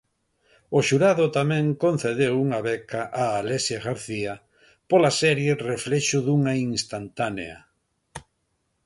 O xurado tamén concedeu unha beca a Alexia García pola serie Reflexo dunha instantánea.